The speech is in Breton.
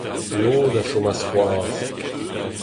Lod a chomas c'hoazh.